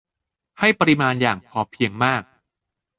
ให้ปริมาณอย่างพอเพียงมาก